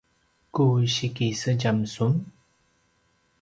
ku sikisedjam sun?